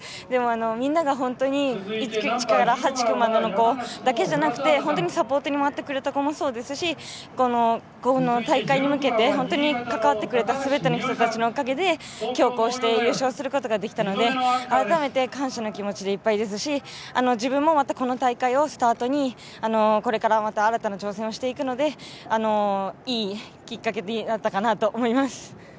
でも、みんなが本当に１区から８区までの子だけじゃなくて本当にサポートに回ってくれた子もそうですしこの大会に向けて関わってくれたすべての人たちのおかげできょう、こうして優勝することができたので改めて感謝の気持ちでいっぱいですし自分のまたこの大会をスタートにこれから、また新たな挑戦をしていくのでいいきっかけになったかなと思います。